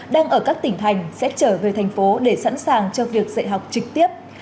đang ở các tỉnh thành sẽ trở về thành phố để sẵn sàng cho việc dạy học trực tiếp